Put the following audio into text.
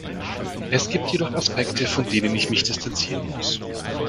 Es gibt jedoch Aspekte, von denen ich mich distanzieren muss.